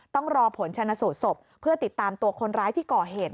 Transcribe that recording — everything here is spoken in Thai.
ต้องรอผลชนะสูตรศพเพื่อติดตามตัวคนร้ายที่ก่อเหตุ